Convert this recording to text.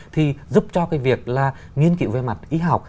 thì giúp cho việc nghiên cứu về mặt y học